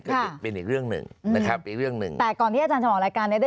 ก็เป็นอีกเรื่องหนึ่ง